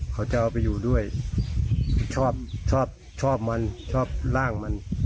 เขาจะเอาไปอยู่ด้วยชอบชอบชอบมันชอบร่างมัน